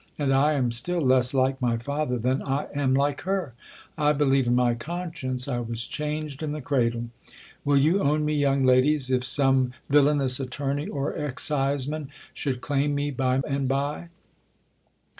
And I am still less like my father than I am like her. I believe in my conscience I was changed in the cradle. Will you own me, young, ladies, if some villano; . THE COLUMBIAN ORATOR. 22} villanous attorney or exciseman should claim me by and by?'